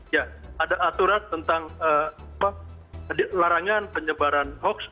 ya ada aturan tentang larangan penyebaran hoax